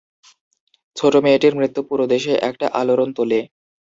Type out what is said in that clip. ছোট মেয়েটির মৃত্যু পুরো দেশে একটা আলোড়ন তোলে।